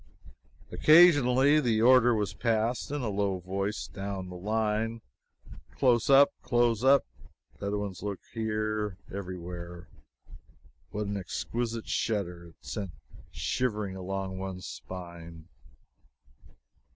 Occasionally the order was passed in a low voice down the line: "Close up close up! Bedouins lurk here, every where!" What an exquisite shudder it sent shivering along one's spine!